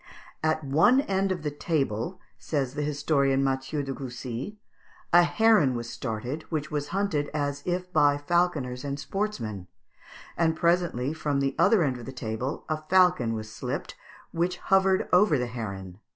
"At one end of the table," says the historian Mathieu de Coucy, "a heron was started, which was hunted as if by falconers and sportsmen; and presently from the other end of the table a falcon was slipped, which hovered over the heron.